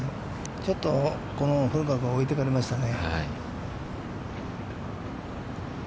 ちょっと古川君は置いていかれましたね。